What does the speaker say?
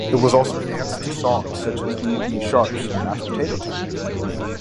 It was also danced to songs such as Dee Dee Sharp's "Mashed Potato Time".